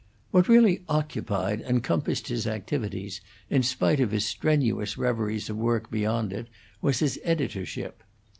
What really occupied and compassed his activities, in spite of his strenuous reveries of work beyond it, was his editorship.